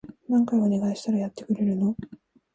何回お願いしたらやってくれるの？